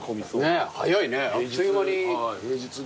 ねえ早いねあっという間に。